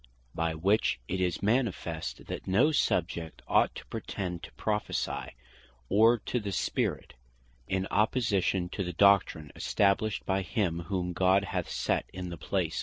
By which it is manifest, that no Subject ought to pretend to Prophecy, or to the Spirit, in opposition to the doctrine established by him, whom God hath set in the place of Moses.